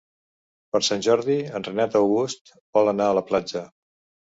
Per Sant Jordi en Renat August vol anar a la platja.